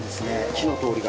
火の通りが。